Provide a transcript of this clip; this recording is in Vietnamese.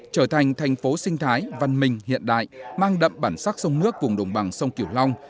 trở thành thành phố sinh thái văn minh hiện đại mang đậm bản sắc sông nước vùng đồng bằng sông kiểu long